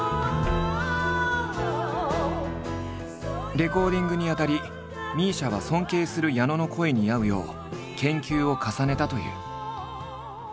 レコーディングにあたりＭＩＳＩＡは尊敬する矢野の声に合うよう研究を重ねたという。